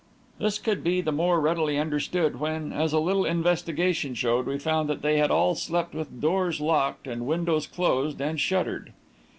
This could be the more readily understood when, as a little investigation showed, we found that they had all slept with doors locked and windows closed and shuttered.